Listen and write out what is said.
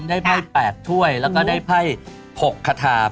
พฤษภาคมได้ไภ่๘ถ้วยและก็ได้ไภ่๖ขท